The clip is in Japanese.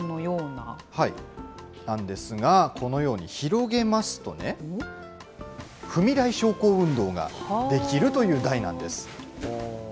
なんですが、このように広げますとね、踏み台昇降運動ができるという台なんです。